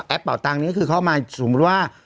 แอพเปล่าตังนี้คือเข้ามาสมมติว่า